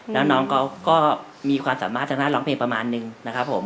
แล้วน้องเขาก็มีความสามารถทางด้านร้องเพลงประมาณนึงนะครับผม